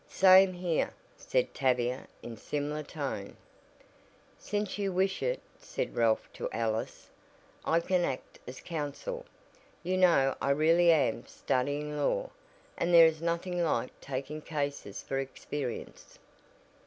"Same here!" said Tavia in similar tone. "Since you wish it," said Ralph to Alice, "I can act as counsel. You know I really am studying law, and there is nothing like taking cases for experience."